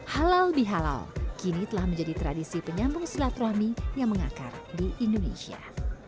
halal bihalal kini telah menjadi tradisi penyambung silaturahmi yang mengakar di indonesia